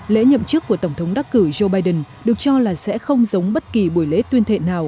lễ nhậm chức của tổng thống đắc cử joe biden được cho là sẽ không giống bất kỳ buổi lễ tuyên thệ nào